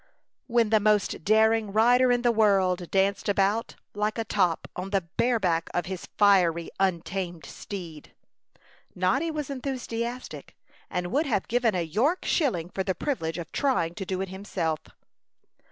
When "the most daring rider in the world" danced about, like a top, on the bare back of his "fiery, untamed steed," Noddy was enthusiastic, and would have given a York shilling for the privilege of trying to do it himself.